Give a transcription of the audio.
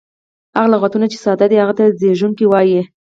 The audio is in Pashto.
هغه لغتونه، چي ساده دي هغه ته زېږوونکی وایي.